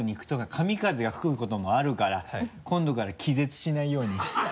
神風が吹くこともあるから今度から気絶しないように。